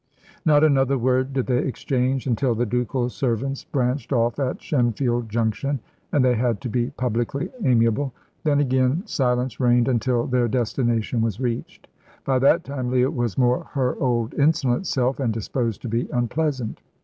Not another word did they exchange until the ducal servants branched off at Shenfield Junction, and they had to be publicly amiable. Then, again, silence reigned until their destination was reached. By that time Leah was more her old insolent self, and disposed to be unpleasant.